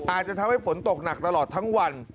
อาจจะทำให้ฝนตกหนักตลอดทั้งวัน